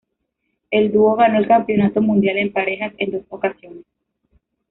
El dúo ganó el Campeonato Mundial en Parejas en dos ocasiones.